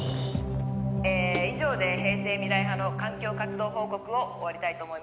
「え以上で平成未来派の環境活動報告を終わりたいと思います。